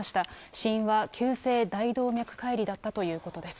死因は急性大動脈解離だったということです。